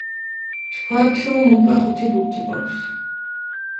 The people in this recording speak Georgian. ვთქვათ, რომ გვაქვს უკვე ხუთი ბურთი.